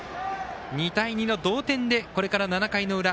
２対２の同点でこれから７回の裏。